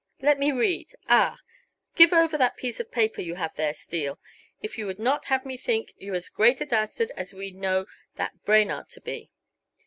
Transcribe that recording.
Let me read ah! give over that piece of paper you have there, Steele, if you would not have me think you as great a dastard as we know that Brainard to be!"